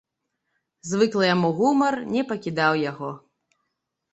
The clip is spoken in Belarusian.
Звыклы яму гумар не пакідаў яго.